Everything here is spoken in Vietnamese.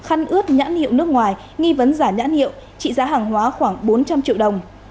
khăn ướt nhãn hiệu nước ngoài nghi vấn giả nhãn hiệu trị giá hàng hóa khoảng bốn trăm linh triệu đồng